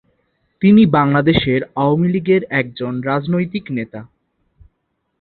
তিনি বাংলাদেশ আওয়ামী লীগের একজন রাজনৈতিক নেতা।